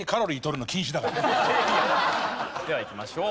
ではいきましょう。